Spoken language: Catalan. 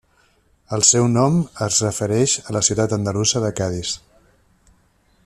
El seu nom es refereix a la ciutat andalusa de Cadis.